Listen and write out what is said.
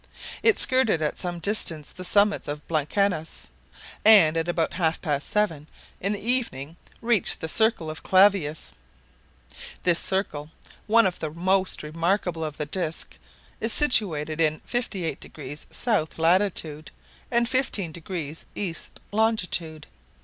It skirted at some distance the summits of Blancanus, and at about half past seven in the evening reached the circle of Clavius. This circle, one of the most remarkable of the disc, is situated in 58° south latitude, and 15° east longitude.